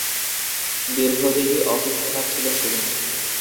দীর্ঘদেহী off spinner ছিলেন তিনি।